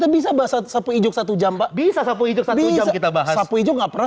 bisa bahasa sapu ijuk satu jam pak bisa sapu ijuk satu jam kita bahas sapu ijuk nggak pernah